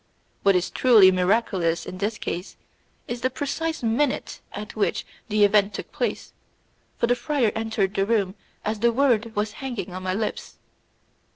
What is truly miraculous in this case is the precise minute at which the event took place, for the friar entered the room as the word was hanging on my lips.